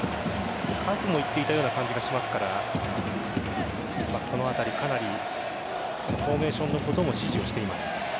数を言っていたような感じがしますからこのあたりかなりフォーメーションのことも指示をしています。